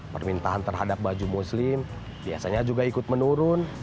permintaan terhadap baju muslim biasanya juga ikut menurun